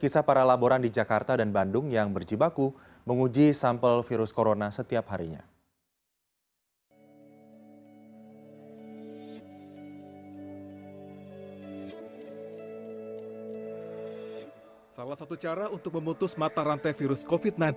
salah satu cara untuk memutus mata rantai virus covid sembilan belas